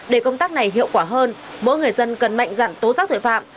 để công tác này hiệu quả hơn mỗi người dân cần mạnh dặn tố giác tội phạm